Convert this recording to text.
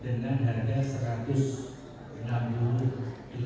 tidak tapi sedikit